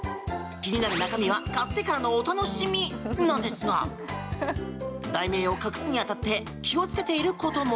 気になる中身は買ってからのお楽しみなんですが題名を隠すに当たって気をつけていることも。